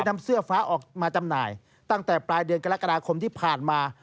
นำเสื้อฟ้าออกมาจำหน่ายตั้งแต่ปลายเดือนกรกฎาคมที่ผ่านมา